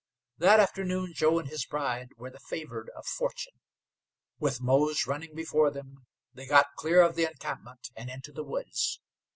That afternoon Joe and his bride were the favored of fortune. With Mose running before them, they got clear of the encampment and into the woods.